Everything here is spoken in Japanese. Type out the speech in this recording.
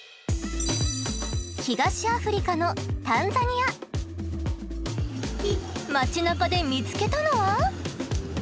東アフリカの街なかで見つけたのは。